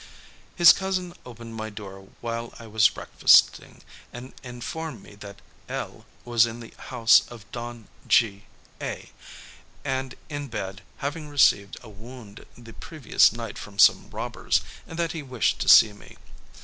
His cousin opened my door while I was breakfasting, and informed me that L was in the house of Don G A , and in bed, having received a wound the previous night from some robbers; and that he wished to see me.